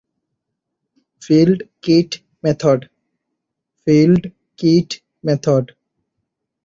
প্রথমটির নাম ‘field kit method’.